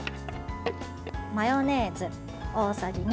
マヨネーズ大さじ２。